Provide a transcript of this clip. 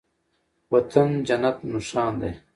وطن جنت نښان دی